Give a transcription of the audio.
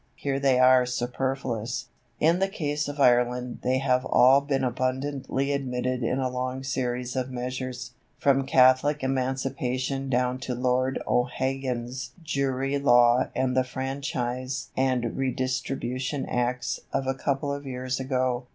Here they are superfluous. In the case of Ireland they have all been abundantly admitted in a long series of measures, from Catholic Emancipation down to Lord O'Hagan's Jury Law and the Franchise and Redistribution Acts of a couple of years ago.